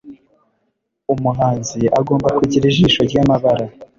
Umuhanzi agomba kugira ijisho ryamabara.